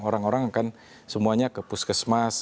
orang orang akan semuanya ke puskesmas